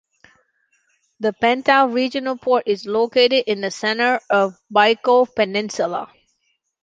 The Pantao Regional Port is located in the center of the Bicol Peninsula.